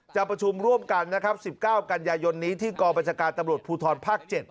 จะประชุมร่วมกันนะครับ๑๙กันยายนนี้ที่กองบัญชาการตำรวจภูทรภาค๗